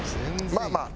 まあまあ。